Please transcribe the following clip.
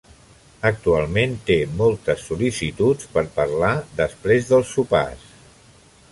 Actualment té moltes sol·licituds per parlar després dels sopars.